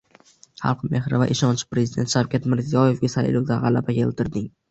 Xalq mehri va ishonchi Prezident Shavkat Mirziyoyevga saylovda g‘alaba keltirding